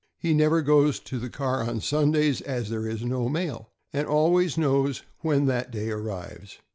He never goes to the car on Sundays, as there is no mail, and always knows when that day arrives.